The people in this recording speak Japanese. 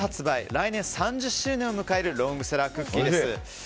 来年３０周年を迎えるロングセラークッキーです。